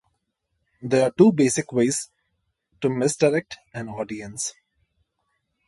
There are two basic ways to "misdirect" an audience.